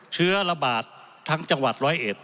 เชื้อระบาดทั้งจังหวัดร้อยเอ็ด